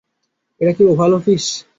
এটা কি Oval office?